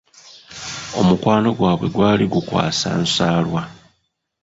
Omukwano gwabwe gwali gukukwasa nsalwa.